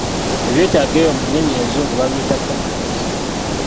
Ebyetaago ebyo mu nnimi enzungu babiyita 'Problems' .